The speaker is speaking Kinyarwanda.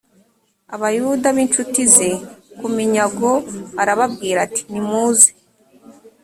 abayuda b incuti ze ku minyago arababwira ati nimuze